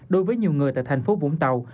đối với nhiều người tại thành phố vũng tàu